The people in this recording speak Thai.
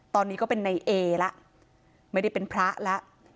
ตอนนี้ก็เป็นในเอละไม่ได้เป็นพระแล้ว